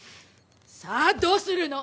さあどうするの？